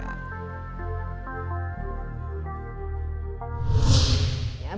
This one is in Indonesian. kepada pengguna ai apa yang terjadi